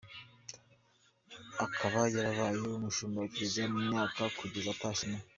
Akaba yarabaye umushumba wa Kiliziya mu myaka kugeza atashye mu .